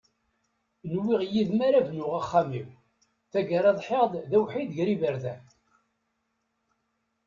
Nwiɣ yid-m ara bnuɣ axxam-iw, tagara ḍḥiɣ-d d awḥid ger iberdan.